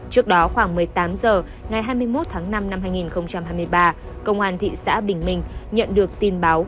trước đó khoảng một mươi tám giờ ngày hai mươi một tháng năm năm hai nghìn hai mươi ba cơ quan thị xã bình minh nhận được tin báo